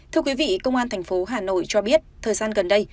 thưa quý vị công an tp hà nội cho biết thời gian gần đây